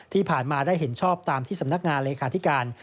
ที่ผ่านมาได้เห็นชอบตามที่สำนักงานเลขาธิการ